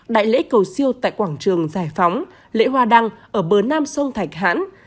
đại lễ cầu siêu tại quảng trường giải phóng lễ hoa đăng ở bờ nam sông thạch hãn